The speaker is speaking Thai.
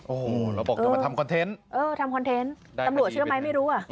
โอ้โหแล้วบอกจะมาทำคอนเทนต์เออทำคอนเทนต์ตำรวจเชื่อไหมไม่รู้อ่ะ